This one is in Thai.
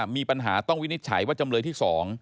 มีปัญหาต้องวินิจฉัยว่าจำเลยที่๒